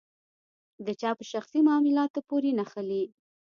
د چا په شخصي معاملاتو پورې نښلي.